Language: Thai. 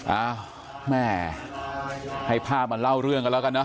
อ้าวแม่ให้ภาพมาเล่าเรื่องกันแล้วกันเนอ